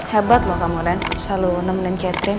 hebat lo kamu ren selalu nemenin catherine